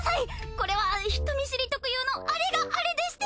これは人見知り特有のアレがアレでして！